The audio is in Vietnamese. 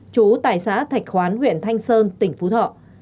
hai nghìn tám chú tài xã thạch khoán huyện thanh sơn tỉnh phú thọ